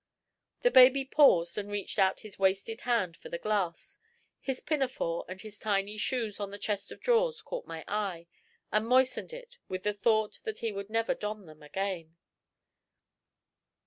'" The baby paused, and reached out his wasted hand for the glass. His pinafore and his tiny shoes on the chest of drawers caught my eye, and moistened it with the thought he would never don them again.